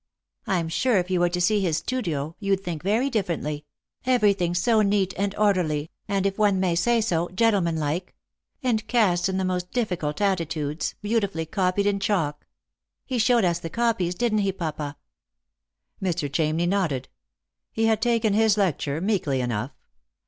I'm sure if you were to see his studio you'd think very differently; everything so neat and orderly and, if one may so, gentlemanlike ; and casts in the most difficult attitudes, beautifully copied in chalk. He showed us the copies, didn't he, papa ?" Mr. Chamney nodded. He had taken his lecture meekly enough.